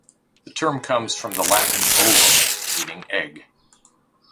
The term comes from the Latin "ovum", meaning "egg".